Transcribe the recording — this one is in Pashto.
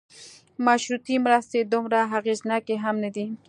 مشروطې مرستې دومره اغېزناکې هم نه دي.